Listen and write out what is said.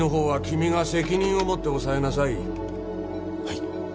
はい。